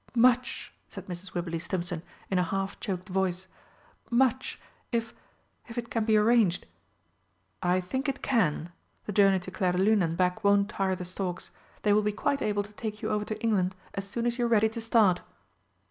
"Much," said Mrs. Wibberley Stimpson in a half choked voice "much! if if it can be arranged." "I think it can. The journey to Clairdelune and back won't tire the storks they will be quite able to take you over to England as soon as you are ready to start."